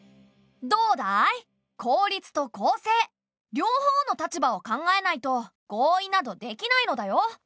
両方の立場を考えないと合意などできないのだよ。